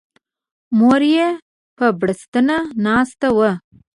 مور یې په بړستنه ناسته وه.